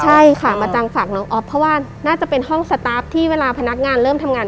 ใช่ค่ะมาจังฝากน้องอ๊อฟเพราะว่าน่าจะเป็นห้องสตาร์ฟที่เวลาพนักงานเริ่มทำงาน